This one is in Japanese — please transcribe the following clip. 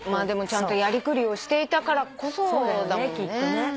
でもちゃんとやりくりをしていたからこそだもんね。